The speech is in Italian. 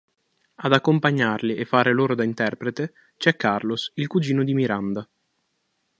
Ad accompagnarli, e fare loro da interprete, c'è Carlos, il cugino di Miranda.